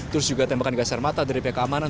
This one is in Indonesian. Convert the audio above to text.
terus juga tembakan gas air mata dari pihak keamanan